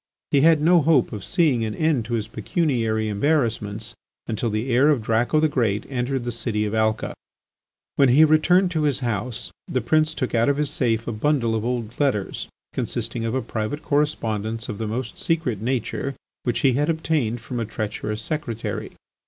He had no hope of seeing an end to his pecuniary embarrassments until the heir of Draco the Great entered the city of Alca. When he returned to his house, the prince took out of his safe a bundle of old letters consisting of a private correspondence of the most secret nature, which he had obtained from a treacherous secretary.